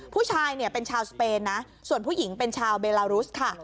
ผู้ชายเนี่ยเป็นชาวสเปนนะส่วนผู้หญิงเป็นชาวเบลารุสค่ะ